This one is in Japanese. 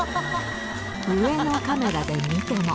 上のカメラで見ても。